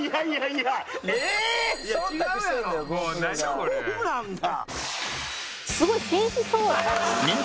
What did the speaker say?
そうなんだ！